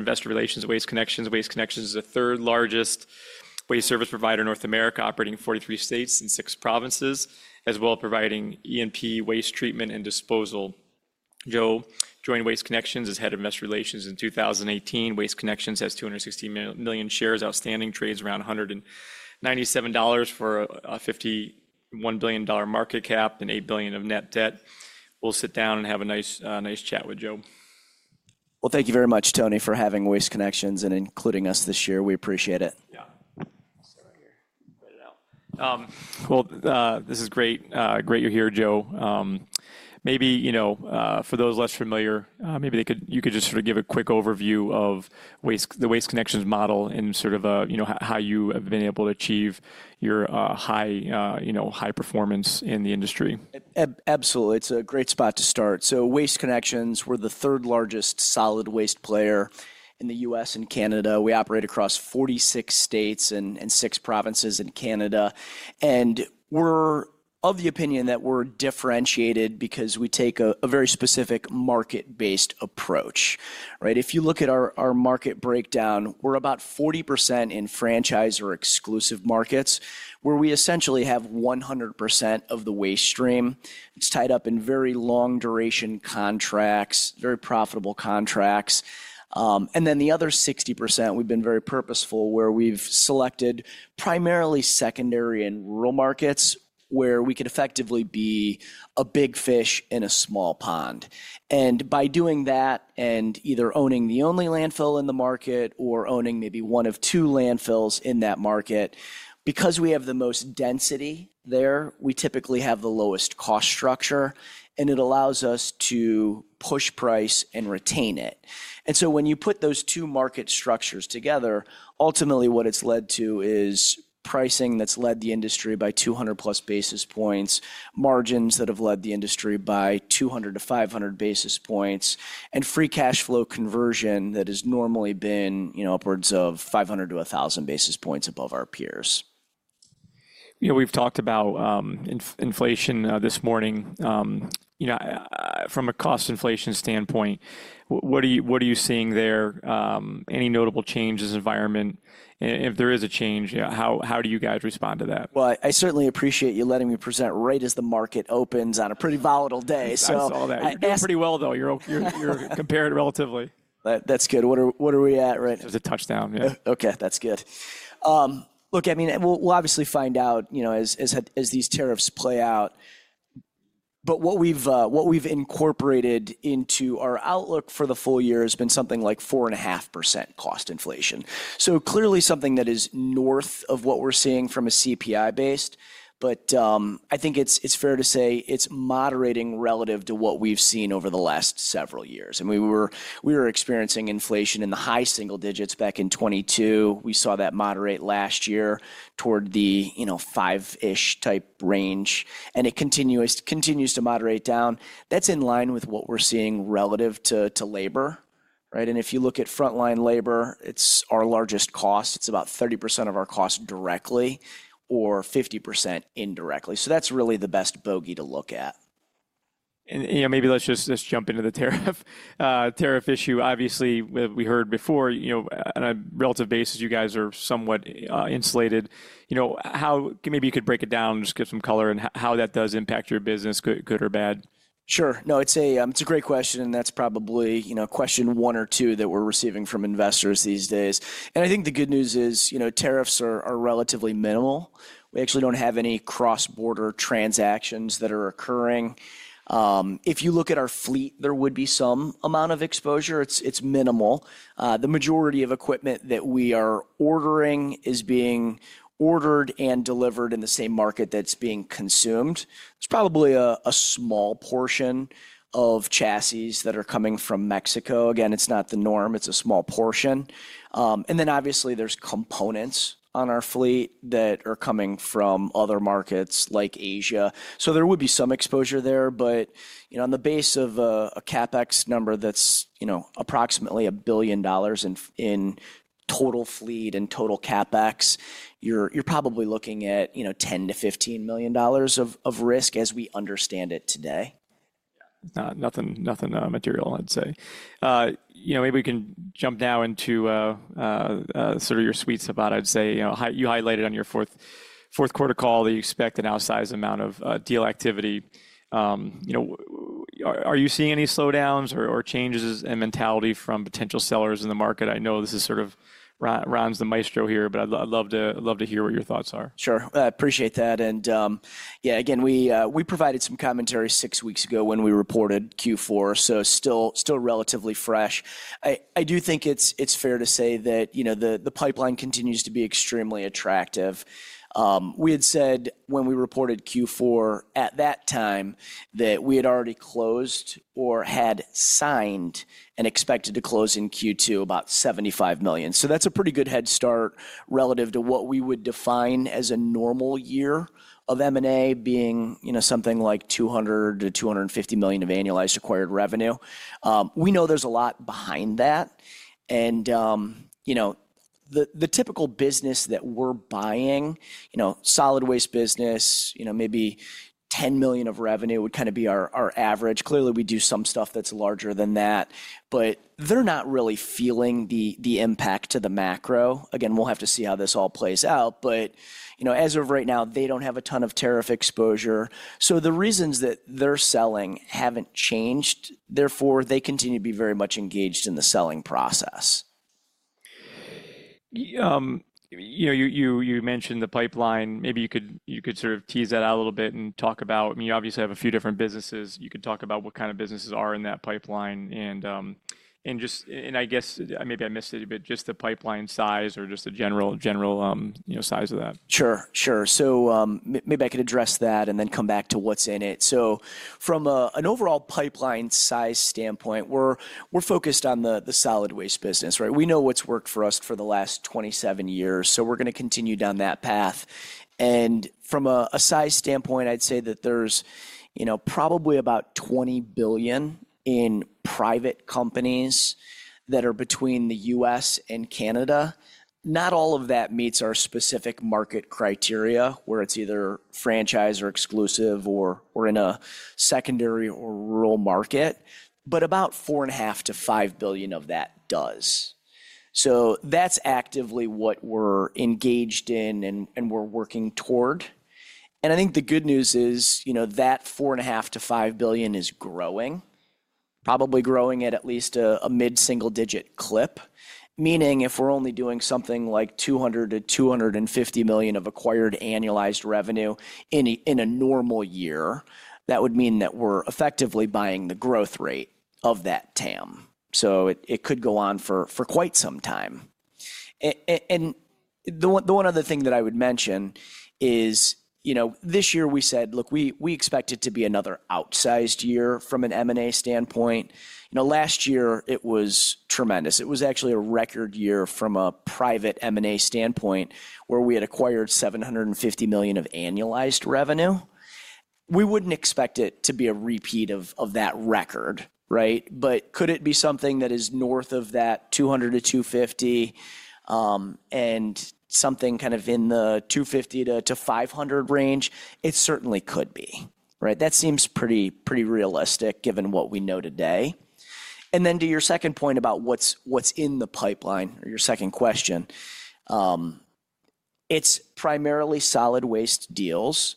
Investor Relations, Waste Connections. Waste Connections is the third-largest waste service provider in North America, operating in 46 states and six provinces, as well as providing E&P waste treatment and disposal. Joe joined Waste Connections as Head of Investor Relations in 2018. Waste Connections has 260 million shares outstanding, trades around $197 for a $51 billion market cap and $8 billion of net debt. We'll sit down and have a nice chat with Joe. Thank you very much, Tony, for having Waste Connections and including us this year. We appreciate it. Yeah. This is great. Great you're here, Joe. Maybe for those less familiar, maybe you could just sort of give a quick overview of the Waste Connections model and sort of how you have been able to achieve your high performance in the industry. Absolutely. It's a great spot to start. Waste Connections, we're the third-largest solid waste player in the U.S. and Canada. We operate across 46 states and six provinces in Canada. We're of the opinion that we're differentiated because we take a very specific market-based approach. If you look at our market breakdown, we're about 40% in franchise or exclusive markets, where we essentially have 100% of the waste stream. It's tied up in very long-duration contracts, very profitable contracts. The other 60%, we've been very purposeful, where we've selected primarily secondary and rural markets, where we can effectively be a big fish in a small pond. By doing that and either owning the only landfill in the market or owning maybe one of two landfills in that market, because we have the most density there, we typically have the lowest cost structure, and it allows us to push price and retain it. When you put those two market structures together, ultimately what it's led to is pricing that's led the industry by 200+ basis points, margins that have led the industry by 200, 500 basis points, and free cash flow conversion that has normally been upwards of 500-1,000 basis points above our peers. We've talked about inflation this morning. From a cost inflation standpoint, what are you seeing there? Any notable changes in the environment? If there is a change, how do you guys respond to that? I certainly appreciate you letting me present right as the market opens on a pretty volatile day. I saw that. You did pretty well, though. You're compared relatively. That's good. What are we at right now? It was a touchdown. Okay. That's good. Look, I mean, we'll obviously find out as these tariffs play out. What we've incorporated into our outlook for the full year has been something like 4.5% cost inflation. Clearly something that is north of what we're seeing from a CPI-based. I think it's fair to say it's moderating relative to what we've seen over the last several years. I mean, we were experiencing inflation in the high single digits back in 2022. We saw that moderate last year toward the five-ish type range. It continues to moderate down. That's in line with what we're seeing relative to labor. If you look at frontline labor, it's our largest cost. It's about 30% of our cost directly or 50% indirectly. That's really the best bogey to look at. Maybe let's just jump into the tariff issue. Obviously, we heard before, on a relative basis, you guys are somewhat insulated. Maybe you could break it down and just give some color on how that does impact your business, good or bad. Sure. No, it's a great question. That's probably question one or two that we're receiving from investors these days. I think the good news is tariffs are relatively minimal. We actually don't have any cross-border transactions that are occurring. If you look at our fleet, there would be some amount of exposure. It's minimal. The majority of equipment that we are ordering is being ordered and delivered in the same market that's being consumed. There's probably a small portion of chassis that are coming from Mexico. Again, it's not the norm. It's a small portion. Obviously, there's components on our fleet that are coming from other markets like Asia. There would be some exposure there. On the base of a CapEx number that's approximately $1 billion in total fleet and total CapEx, you're probably looking at $10 million-$15 million of risk as we understand it today. Nothing material, I'd say. Maybe we can jump now into sort of your sweet spot, I'd say. You highlighted on your fourth quarter call that you expect an outsized amount of deal activity. Are you seeing any slowdowns or changes in mentality from potential sellers in the market? I know this sort of runs the maestro here, but I'd love to hear what your thoughts are. Sure. I appreciate that. Yeah, again, we provided some commentary six weeks ago when we reported Q4, so still relatively fresh. I do think it's fair to say that the pipeline continues to be extremely attractive. We had said when we reported Q4 at that time that we had already closed or had signed and expected to close in Q2 about $75 million. That's a pretty good head start relative to what we would define as a normal year of M&A being something like $200 million-$250 million of annualized acquired revenue. We know there's a lot behind that. The typical business that we're buying, solid waste business, maybe $10 million of revenue would kind of be our average. Clearly, we do some stuff that's larger than that, but they're not really feeling the impact to the macro. Again, we will have to see how this all plays out. As of right now, they do not have a ton of tariff exposure. The reasons that they are selling have not changed. Therefore, they continue to be very much engaged in the selling process. You mentioned the pipeline. Maybe you could sort of tease that out a little bit and talk about, I mean, you obviously have a few different businesses. You could talk about what kind of businesses are in that pipeline. I guess maybe I missed it a bit, just the pipeline size or just the general size of that. Sure. Sure. Maybe I could address that and then come back to what's in it. From an overall pipeline size standpoint, we're focused on the solid waste business. We know what's worked for us for the last 27 years. We're going to continue down that path. From a size standpoint, I'd say that there's probably about $20 billion in private companies that are between the U.S. and Canada. Not all of that meets our specific market criteria, where it's either franchise or exclusive or in a secondary or rural market. About $4.5 billion-$5 billion of that does. That's actively what we're engaged in and we're working toward. I think the good news is that $4.5 billion-$5 billion is growing, probably growing at at least a mid-single-digit clip, meaning if we're only doing something like $200 million-$250 million of acquired annualized revenue in a normal year, that would mean that we're effectively buying the growth rate of that TAM. It could go on for quite some time. The one other thing that I would mention is this year, we said, "Look, we expect it to be another outsized year from an M&A standpoint." Last year, it was tremendous. It was actually a record year from a private M&A standpoint, where we had acquired $750 million of annualized revenue. We wouldn't expect it to be a repeat of that record. Could it be something that is north of that $200 million-$250 million and something kind of in the $250 million$500 million range? It certainly could be. That seems pretty realistic given what we know today. To your second point about what's in the pipeline, or your second question, it's primarily solid waste deals.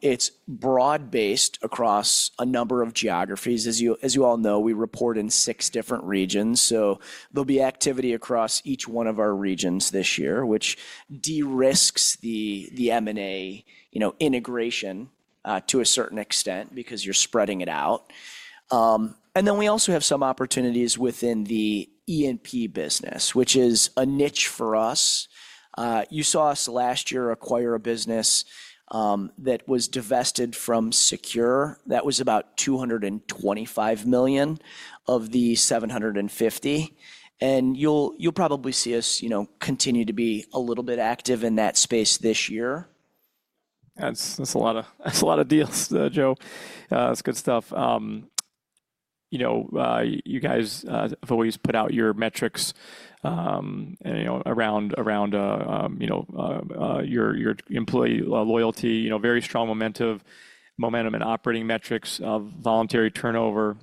It's broad-based across a number of geographies. As you all know, we report in six different regions. There will be activity across each one of our regions this year, which de-risks the M&A integration to a certain extent because you're spreading it out. We also have some opportunities within the E&P business, which is a niche for us. You saw us last year acquire a business that was divested from Secure. That was about $225 million of the $750 million. You'll probably see us continue to be a little bit active in that space this year. That's a lot of deals, Joe. That's good stuff. You guys have always put out your metrics around your employee loyalty, very strong momentum and operating metrics of voluntary turnover.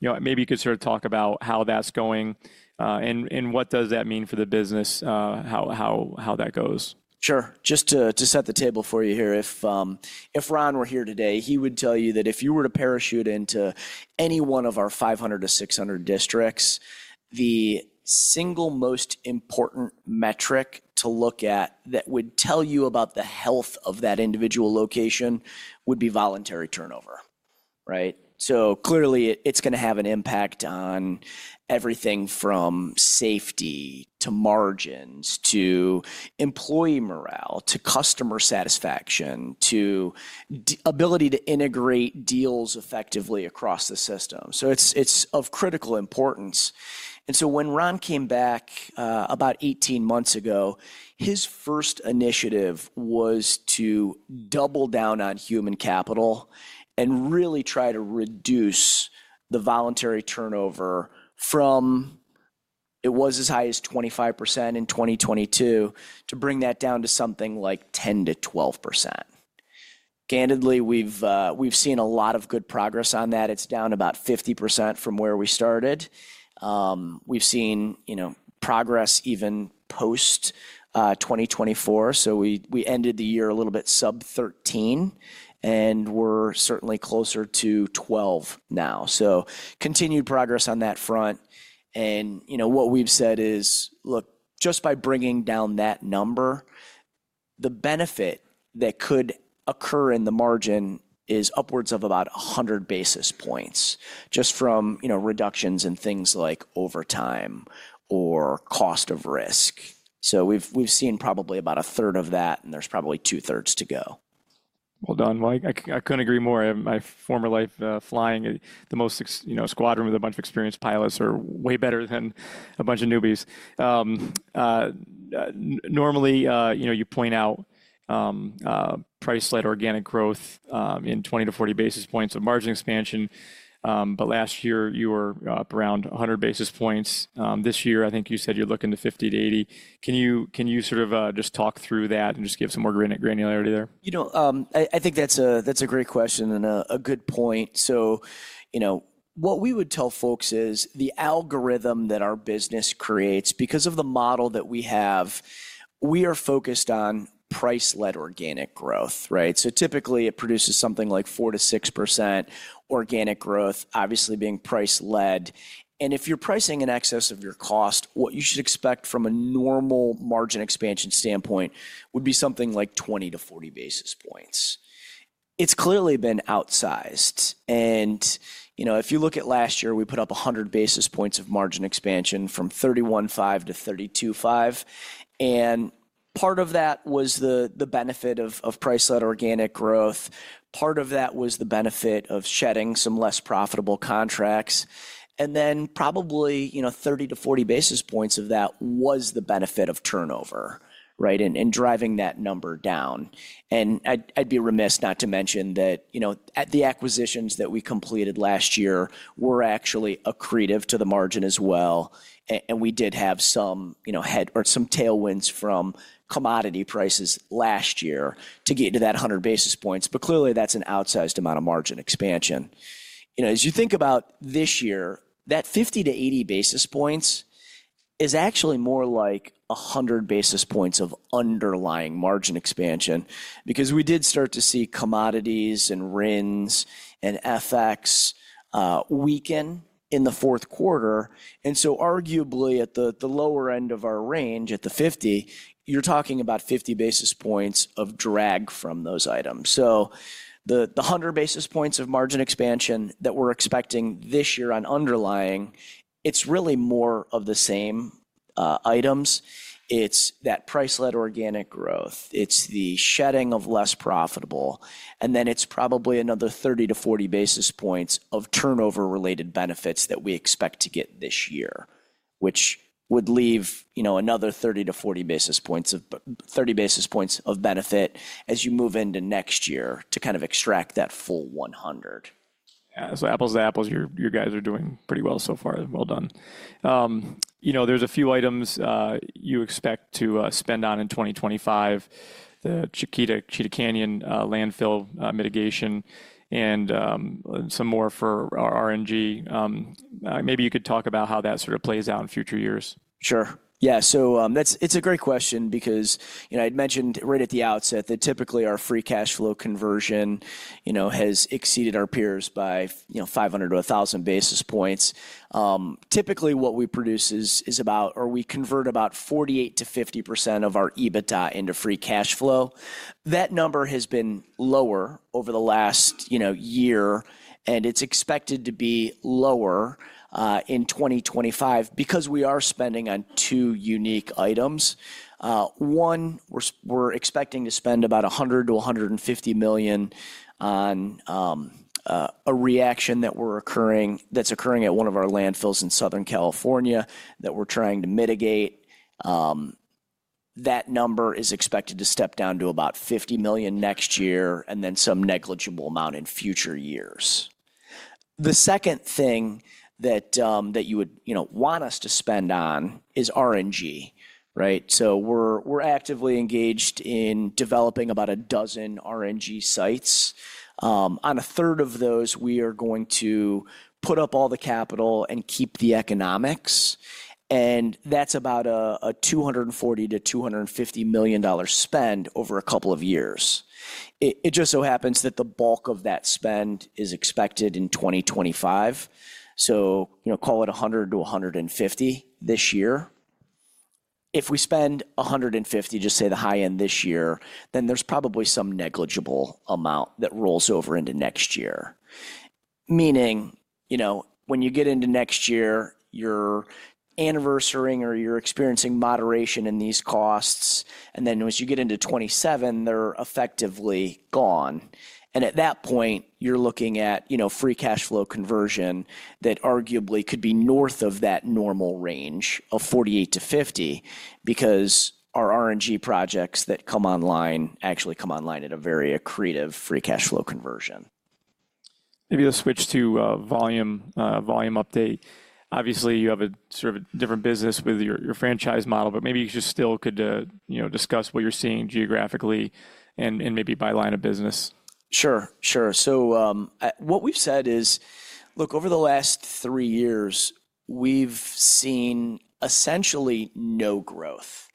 Maybe you could sort of talk about how that's going and what does that mean for the business, how that goes? Sure. Just to set the table for you here, if Ron were here today, he would tell you that if you were to parachute into any one of our 500-600 districts, the single most important metric to look at that would tell you about the health of that individual location would be voluntary turnover. Clearly, it's going to have an impact on everything from safety to margins to employee morale to customer satisfaction to ability to integrate deals effectively across the system. It is of critical importance. When Ron came back about 18 months ago, his first initiative was to double down on human capital and really try to reduce the voluntary turnover from it was as high as 25% in 2022 to bring that down to something like 10-12%. Candidly, we've seen a lot of good progress on that. It's down about 50% from where we started. We've seen progress even post-2024. We ended the year a little bit sub-13 and we're certainly closer to 12 now. Continued progress on that front. What we've said is, look, just by bringing down that number, the benefit that could occur in the margin is upwards of about 100 basis points just from reductions in things like overtime or cost of risk. We've seen probably about a third of that, and there's probably two-thirds to go. Dynamite I couldn't agree more. My former life flying, the most squadron with a bunch of experienced pilots are way better than a bunch of newbies. Normally, you point out price-led organic growth in 20, 40 basis points of margin expansion. Last year, you were up around 100 basis points. This year, I think you said you're looking to 50-80 basis points.. Can you sort of just talk through that and just give some more granularity there? I think that's a great question and a good point. What we would tell folks is the algorithm that our business creates, because of the model that we have, we are focused on price-led organic growth. Typically, it produces something like 4%-6% organic growth, obviously being price-led. If you're pricing in excess of your cost, what you should expect from a normal margin expansion standpoint would be something like 20-40 basis points. It's clearly been outsized. If you look at last year, we put up 100 basis points of margin expansion from $31.5 million-$32.5 million. Part of that was the benefit of price-led organic growth. Part of that was the benefit of shedding some less profitable contracts. Then probably 30-40 basis points of that was the benefit of turnover and driving that number down. I would be remiss not to mention that the acquisitions that we completed last year were actually accretive to the margin as well. We did have some tailwinds from commodity prices last year to get to that 100 basis points. Clearly, that's an outsized amount of margin expansion. As you think about this year, that 50-80 basis points is actually more like 100 basis points of underlying margin expansion because we did start to see commodities and RINs and FX weaken in the fourth quarter. Arguably at the lower end of our range at the 50, you're talking about 50 basis points of drag from those items. The 100 basis points of margin expansion that we're expecting this year on underlying, it's really more of the same items. It's that price-led organic growth. It's the shedding of less profitable. It is probably another 30-40 basis points of turnover-related benefits that we expect to get this year, which would leave another 30-40 basis points of benefit as you move into next year to kind of extract that full 100. Apples-to-apples, your guys are doing pretty well so far. Well done. There are a few items you expect to spend on in 2025, the Chiquita Canyon landfill mitigation and some more for our RNG. Maybe you could talk about how that sort of plays out in future years. Sure. Yeah. It's a great question because I'd mentioned right at the outset that typically our free cash flow conversion has exceeded our peers by 500-1,000 basis points. Typically, what we produce is about, or we convert about 48%-50% of our EBITDA into free cash flow. That number has been lower over the last year, and it's expected to be lower in 2025 because we are spending on two unique items. One, we're expecting to spend about $100 million-$150 million on a reaction that's occurring at one of our landfills in Southern California that we're trying to mitigate. That number is expected to step down to about $50 million next year and then some negligible amount in future years. The second thing that you would want us to spend on is RNG. We're actively engaged in developing about a dozen RNG sites. On a third of those, we are going to put up all the capital and keep the economics. That is about a $240 million-$250 million spend over a couple of years. It just so happens that the bulk of that spend is expected in 2025. Call it $100 million-$150 million this year. If we spend $150 million, just say the high end this year, then there is probably some negligible amount that rolls over into next year. Meaning when you get into next year, you are anniversarying or you are experiencing moderation in these costs. Once you get into 2027, they are effectively gone. At that point, you are looking at free cash flow conversion that arguably could be north of that normal range of 48%-50% because our RNG projects that come online actually come online at a very accretive free cash flow conversion. Maybe a switch to volume update. Obviously, you have a different business with your franchise model, but maybe you just still could discuss what you're seeing geographically and maybe by line of business. Sure. Sure. What we've said is, look, over the last three years, we've seen essentially no growth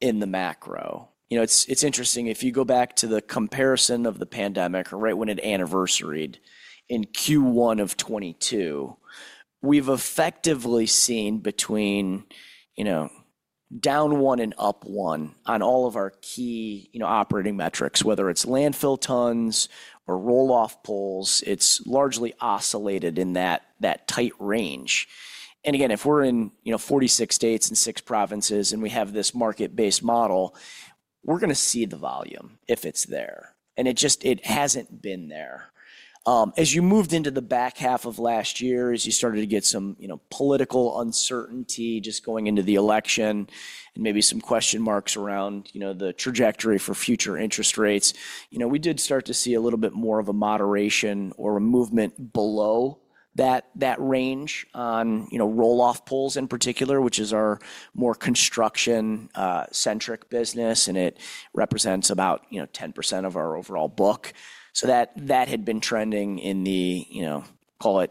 in the macro. It's interesting. If you go back to the comparison of the pandemic, right when it anniversaried in Q1 of 2022, we've effectively seen between down one and up one on all of our key operating metrics, whether it's landfill tons or roll-off pools. It's largely oscillated in that tight range. Again, if we're in 46 states and six provinces and we have this market-based model, we're going to see the volume if it's there. It hasn't been there. As you moved into the back half of last year, as you started to get some political uncertainty just going into the election and maybe some question marks around the trajectory for future interest rates, we did start to see a little bit more of a moderation or a movement below that range on roll-off pools in particular, which is our more construction-centric business, and it represents about 10% of our overall book. That had been trending in the, call it,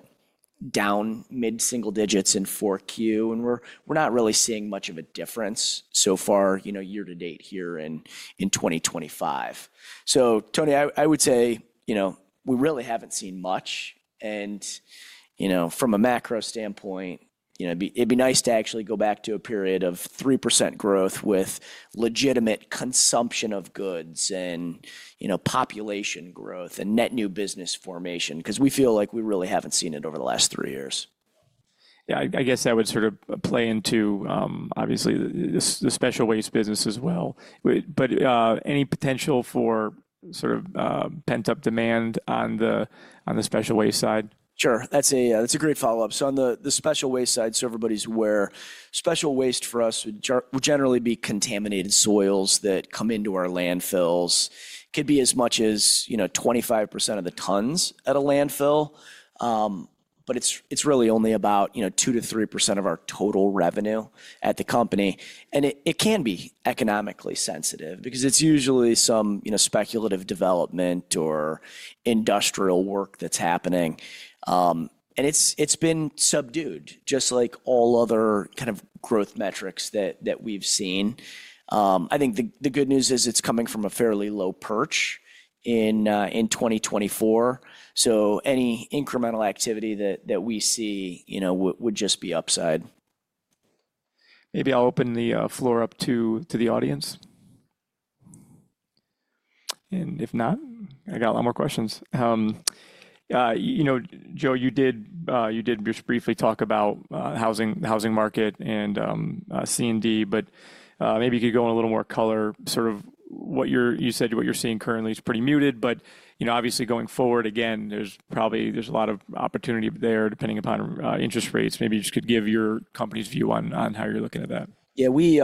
down mid-single digits in fourth quarter. We are not really seeing much of a difference so far year to date here in 2025. Tony, I would say we really have not seen much. From a macro standpoint, it'd be nice to actually go back to a period of 3% growth with legitimate consumption of goods and population growth and net new business formation because we feel like we really haven't seen it over the last three years. Yeah. I guess that would sort of play into, obviously, the special waste business as well. Any potential for sort of pent-up demand on the special waste side? Sure. That's a great follow-up. On the special waste side, so everybody's aware, special waste for us would generally be contaminated soils that come into our landfills. It could be as much as 25% of the tons at a landfill, but it's really only about 2-3% of our total revenue at the company. It can be economically sensitive because it's usually some speculative development or industrial work that's happening. It's been subdued, just like all other kind of growth metrics that we've seen. I think the good news is it's coming from a fairly low perch in 2024. Any incremental activity that we see would just be upside. Maybe I'll open the floor up to the audience. If not, I got a lot more questions. Joe, you did just briefly talk about housing market and C&D, but maybe you could go in a little more color. Sort of what you said, what you're seeing currently is pretty muted, but obviously going forward, again, there's probably a lot of opportunity there depending upon interest rates. Maybe you just could give your company's view on how you're looking at that. Yeah. We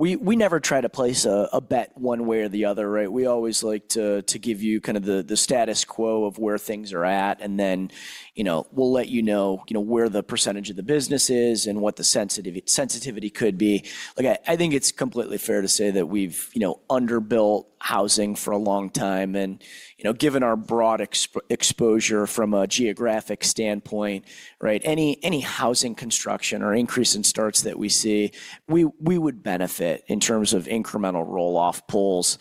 never try to place a bet one way or the other. We always like to give you kind of the status quo of where things are at, and then we'll let you know where the percentage of the business is and what the sensitivity could be. I think it's completely fair to say that we've underbuilt housing for a long time. Given our broad exposure from a geographic standpoint, any housing construction or increase in starts that we see, we would benefit in terms of incremental roll-off pools.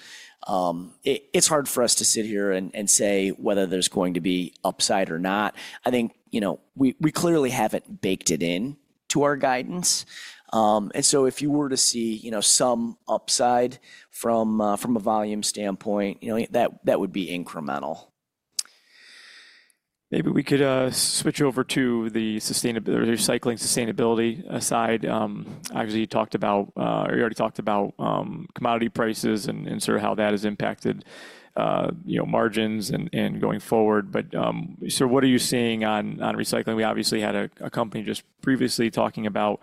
It's hard for us to sit here and say whether there's going to be upside or not. I think we clearly haven't baked it into our guidance. If you were to see some upside from a volume standpoint, that would be incremental. Maybe we could switch over to the recycling sustainability side. Obviously, you talked about, or you already talked about commodity prices and sort of how that has impacted margins and going forward. What are you seeing on recycling? We obviously had a company just previously talking about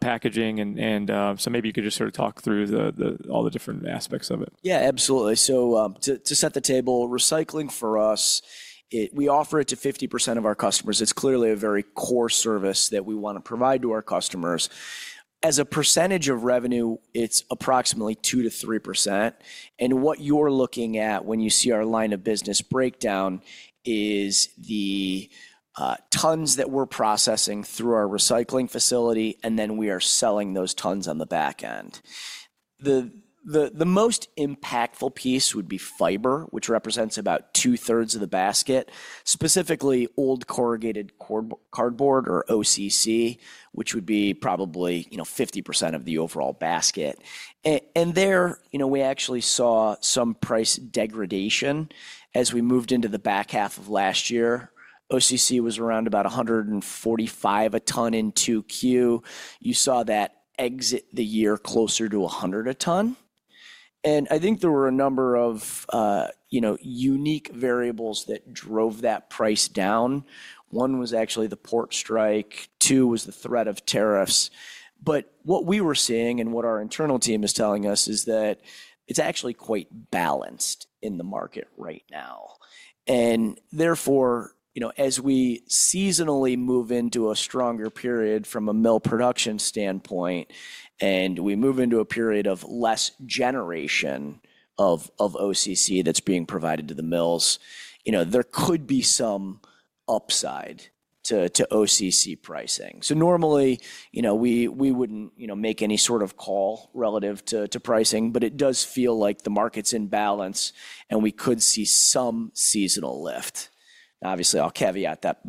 packaging. Maybe you could just sort of talk through all the different aspects of it. Yeah, absolutely. To set the table, recycling for us, we offer it to 50% of our customers. It's clearly a very core service that we want to provide to our customers. As a percentage of revenue, it's approximately 2%-3%. What you're looking at when you see our line of business breakdown is the tons that we're processing through our recycling facility, and then we are selling those tons on the back-end. The most impactful piece would be fiber, which represents about two-thirds of the basket, specifically old corrugated cardboard or OCC, which would be probably 50% of the overall basket. There, we actually saw some price degradation as we moved into the back half of last year. OCC was around $145 a ton in 2Q. You saw that exit the year closer to $100 a ton. I think there were a number of unique variables that drove that price down. One was actually the port strike. Two was the threat of tariffs. What we were seeing and what our internal team is telling us is that it's actually quite balanced in the market right now. Therefore, as we seasonally move into a stronger period from a mill production standpoint, and we move into a period of less generation of OCC that's being provided to the mills, there could be some upside to OCC pricing. Normally, we wouldn't make any sort of call relative to pricing, but it does feel like the market's in balance and we could see some seasonal lift. Obviously, I'll caveat that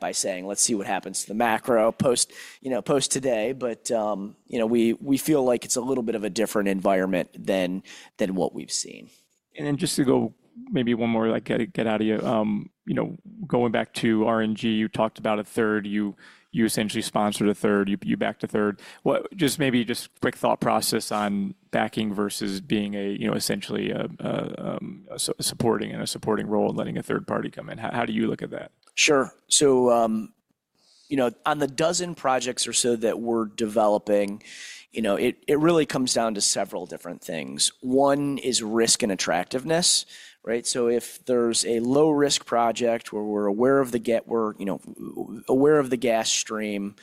by saying, let's see what happens to the macro post today, but we feel like it's a little bit of a different environment than what we've seen. Just to go maybe one more get out of you, going back to RNG, you talked about a third. You essentially sponsored a third. You backed a third. Just maybe just quick thought process on backing versus being essentially supporting in a supporting role and letting a third party come in. How do you look at that? Sure. On the dozen projects or so that we're developing, it really comes down to several different things. One is risk and attractiveness. If there's a low-risk project where we're aware of the gas stream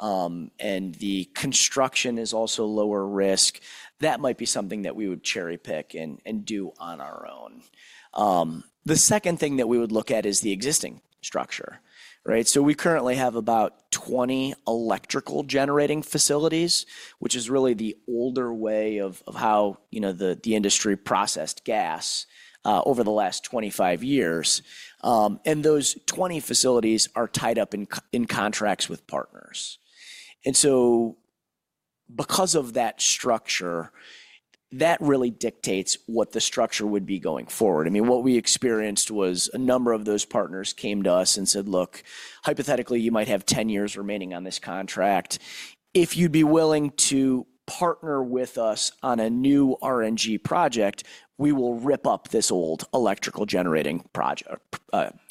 and the construction is also lower risk, that might be something that we would cherry-pick and do on our own. The second thing that we would look at is the existing structure. We currently have about 20 electrical generating facilities, which is really the older way of how the industry processed gas over the last 25 years. Those 20 facilities are tied up in contracts with partners. Because of that structure, that really dictates what the structure would be going forward. I mean, what we experienced was a number of those partners came to us and said, "Look, hypothetically, you might have 10 years remaining on this contract. If you'd be willing to partner with us on a new RNG project, we will rip up this old electrical generating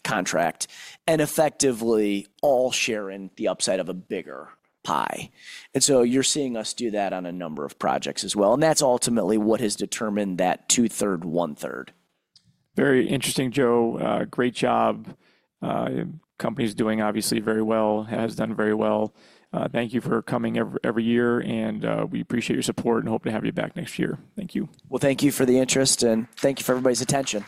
contract and effectively all share in the upside of a bigger pie. You are seeing us do that on a number of projects as well. That is ultimately what has determined that two-third, one-third. Very interesting, Joe. Great job. Company's doing obviously very well, has done very well. Thank you for coming every year, and we appreciate your support and hope to have you back next year. Thank you. Thank you for the interest, and thank you for everybody's attention.